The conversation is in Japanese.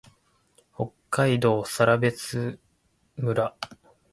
北海道更別村